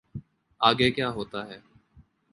آگے کیا ہوتا ہے۔